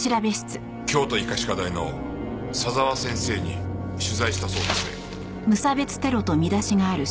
京都医科歯科大の佐沢先生に取材したそうですね？